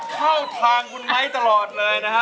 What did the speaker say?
เข้าทางคุณไมค์ตลอดเลยนะฮะ